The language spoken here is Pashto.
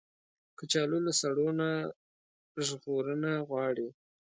کچالو له سړو نه ژغورنه غواړي